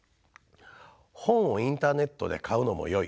本をインターネットで買うのもよい。